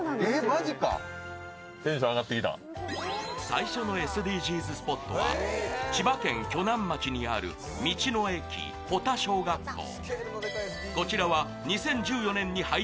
最初のＳＤＧｓスポットは千葉県鋸南町にある道の駅保田小学校。